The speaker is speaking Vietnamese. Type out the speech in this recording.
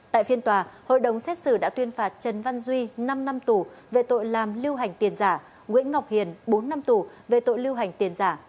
tại phiên tòa hội đồng xét xử đã tuyên phạt trần văn duy năm năm tù về tội làm lưu hành tiền giả nguyễn ngọc hiền bốn năm tù về tội lưu hành tiền giả